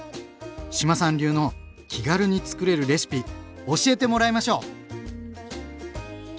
志麻さん流の気軽につくれるレシピ教えてもらいましょう！